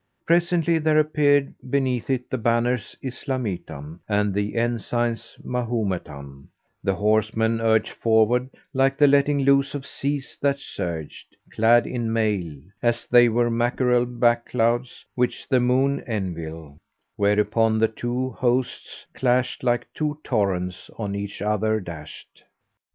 Presently there appeared beneath it the banners Islamitan and the ensigns Mahometan; the horsemen urged forward, like the letting loose of seas that surged, clad in mail, as they were mackerel back clouds which the moon enveil; whereupon the two hosts clashed, like two torrents on each other dashed.